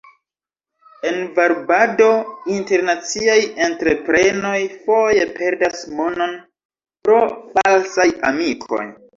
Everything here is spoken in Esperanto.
En varbado, internaciaj entreprenoj foje perdas monon pro falsaj amikoj.